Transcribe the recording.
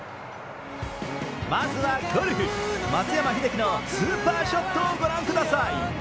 まずはゴルフ松山英樹のスーパーショットを御覧ください。